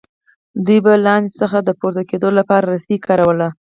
دوی به له لاندې څخه د پورته کیدو لپاره رسۍ کارولې.